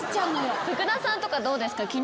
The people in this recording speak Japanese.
福田さんとかどうですか？